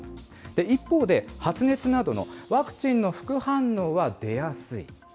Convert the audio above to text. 一方で発熱などのワクチンの副反応は出やすい。